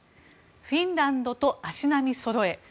フィンランドと足並みそろえ